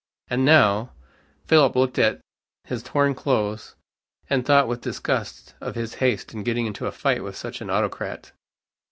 And, now! Philip looked at his torn clothes, and thought with disgust of his haste in getting into a fight with such an autocrat.